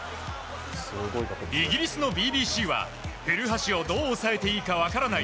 イギリスのＢＢＣは古橋をどう抑えていいか分からない。